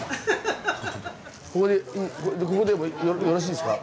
ここでもよろしいですか？